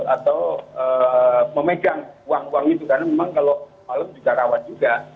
atau memegang uang uang itu karena memang kalau malam juga rawat juga